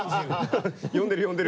呼んでる呼んでる。